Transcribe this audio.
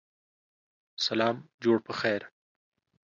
سلام جوړ پخیر